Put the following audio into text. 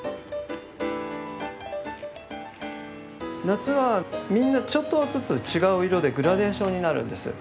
夏はみんなちょっとずつ違う色でグラデーションになるんですよ。